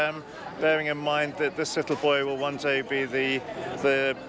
มายังคิดจะเป็นน้องชายประโยชน์